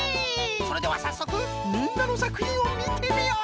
それではさっそくみんなのさくひんをみてみよう！